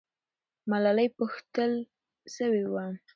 ملالۍ پوښتل سوې وه.